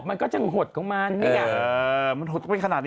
มันก็จะหดของมัน